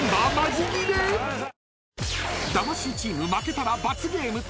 ［魂チーム負けたら罰ゲーム］